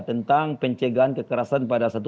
tentang pencegahan kekerasan pada satu